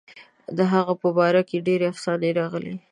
د هغه په باره کې ډېرې افسانې راغلي.